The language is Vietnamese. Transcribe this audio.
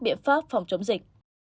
biện pháp phòng chống dịch